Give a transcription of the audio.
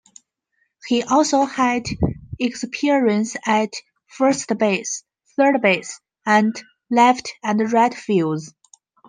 He also had experience at first base, third base, and left and right fields.